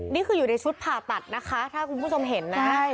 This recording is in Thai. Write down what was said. นี่คืออยู่ในชุดผ่าตัดนะคะถ้าคุณผู้ชมเห็นนะ